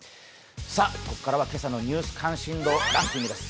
ここからは今朝の「ニュース関心度ランキング」です。